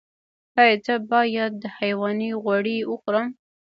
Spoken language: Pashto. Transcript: ایا زه باید د حیواني غوړي وخورم؟